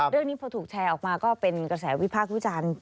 เรื่องนี้พอถูกแชร์ออกมาก็เป็นกระแสวิพากษ์วิจารณ์